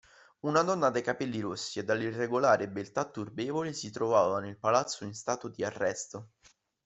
Una donna dai capelli rossi e dall'irregolare beltà turbevole si trovava nel palazzo in stato di arresto.